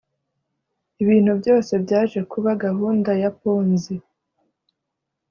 ibintu byose byaje kuba gahunda ya ponzi.